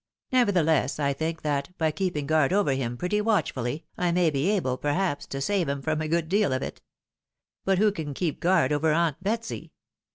Nevertheless, I think that, by keeping guard over him pretty watchfully, I may be able, perhaps, to save him from a good deal of it. But who can keep guard over aunt Betsy